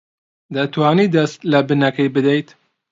دەتوانیت دەست لە بنەکەی بدەیت؟